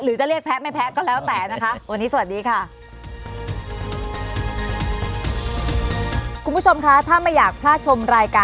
หรือจะเรียกแพ้ไม่แพ้ก็แล้วแต่นะคะ